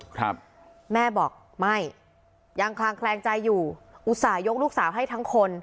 ครับแม่บอกไม่ยังคลางแคลงใจอยู่อุตส่าหยกลูกสาวให้ทั้งคน